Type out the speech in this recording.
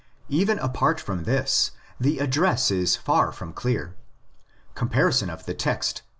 Even apart from this, the address is far from clear. Comparison of the text 1.